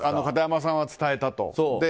片山さんは伝えたと。